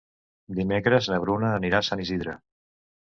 Dimecres na Bruna anirà a Sant Isidre.